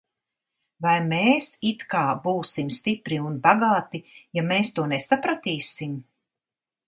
Vai mēs it kā būsim stipri un bagāti, ja mēs to nesapratīsim?